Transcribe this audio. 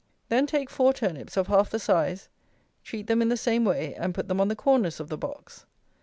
Then take four turnips of half the size, treat them in the same way, and put them on the corners of the box.